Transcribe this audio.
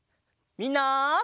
みんな！